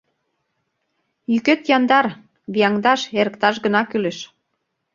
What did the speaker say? Йӱкет яндар, вияҥдаш, эрыкташ гына кӱлеш.